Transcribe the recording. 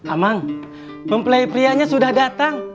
amang pemplei prianya sudah datang